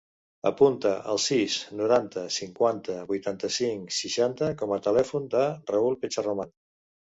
Apunta el sis, noranta, cinquanta, vuitanta-cinc, seixanta com a telèfon del Raül Pecharroman.